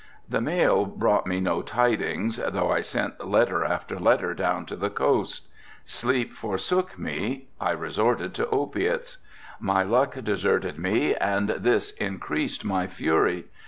The mail brought me no tidings, though I sent letter after letter down to the coast. Sleep forsook me. I resorted to opiates. My luck deserted me and this increased my fury.